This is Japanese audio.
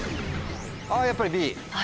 あやっぱりＢ。